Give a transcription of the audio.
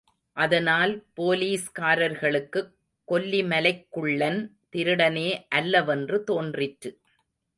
அதனால் போலீஸ்காரர்களுக்குக் கொல்லிமலைக் குள்ளன் திருடனே அல்லவென்று தோன்றிற்று.